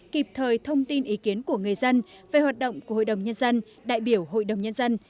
kịp thời thông tin ý kiến của người dân về hoạt động của hội đồng nhân dân đại biểu hội đồng nhân dân